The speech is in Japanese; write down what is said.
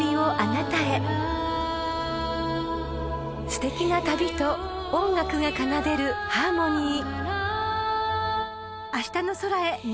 ［すてきな旅と音楽が奏でるハーモニー］